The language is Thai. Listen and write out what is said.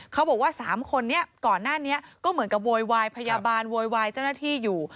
เขาบอกว่า๓คนนี้ก่อนหน้านี้ก็เหมือนกับโวยวายพยาบาลโวยวายเจ้าหน้าที่อยู่